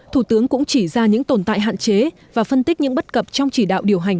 thủ tướng cũng chỉ ra những tồn tại hạn chế và phân tích những bất cập trong chỉ đạo điều hành